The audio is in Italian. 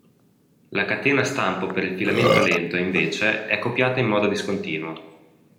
La catena stampo per il filamento lento, invece, è copiata in modo discontinuo.